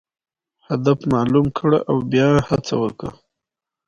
یا ایدیالوژیکو بهیرونو مقابلې لپاره کېږي